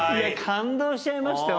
感動しちゃいました